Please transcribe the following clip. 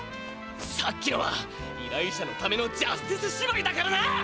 さっきのは依頼者のためのジャスティスしばいだからな！